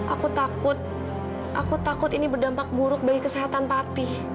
aku takut aku takut ini berdampak buruk bagi kesehatan papi